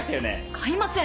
買いません！